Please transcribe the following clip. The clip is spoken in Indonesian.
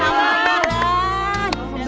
wah itu mah